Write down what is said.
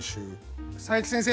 佐伯先生